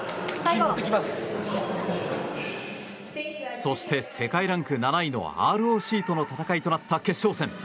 そして世界ランク７位のＲＯＣとの戦いとなった決勝戦。